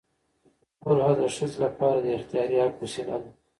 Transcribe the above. خلع د ښځې لپاره د اختیاري حق وسیله ده.